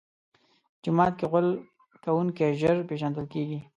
جومات کې غول کوونکی ژر پېژندل کېږي.